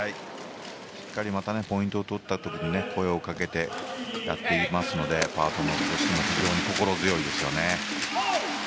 しっかりまたポイントを取った時に声をかけてやっていますのでパートナーとしても非常に心強いですね。